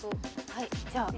はいじゃあ。